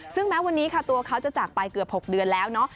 ซึ่งแม้วันนี้ค่ะตัวเขาจะจากไปเกือบ๖เดือนแล้วเนาะ